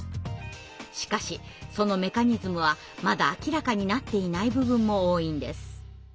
しかしそのメカニズムはまだ明らかになっていない部分も多いんです。